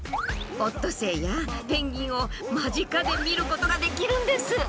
オットセイやペンギンを間近で見ることができるんです。